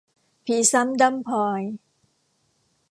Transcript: ผีซ้ำด้ำพลอย